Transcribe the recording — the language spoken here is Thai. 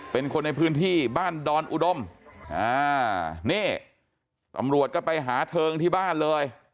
เป็นคนในพื้นที่บ้านดอนอุดมนี่ตำรวจก็ไปหาเทิงที่บ้านเลย